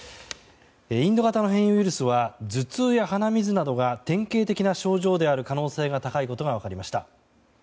インド型の変異ウイルスは頭痛や鼻水などが典型的な症状である可能性が高いことが分かりました。